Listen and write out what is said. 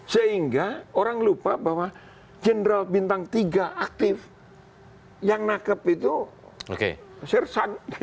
sehingga orang lupa bahwa general bintang tiga aktif yang nangkep itu sirsad